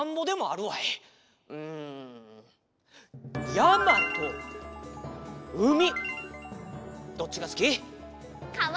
やまとうみどっちがすき？かわ！